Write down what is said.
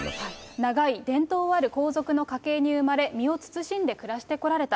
長い伝統ある皇族の家系に生まれ、身を慎んで暮らしてこられた。